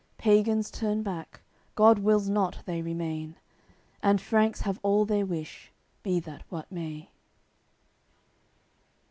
Pagans turn back, God wills not they remain. And Franks have all their wish, be that what may.